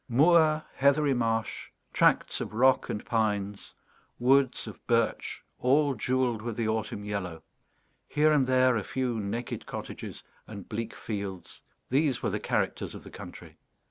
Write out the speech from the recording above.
Moor, heathery marsh, tracts of rock and pines, woods of birch all jewelled with the autumn yellow, here and there a few naked cottages and bleak fields, these were the characters of the country.